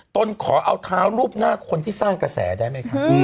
ตนขอเอาเท้ารูปหน้าคนที่สร้างกระแสได้ไหมครับ